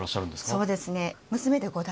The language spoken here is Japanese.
そうですね。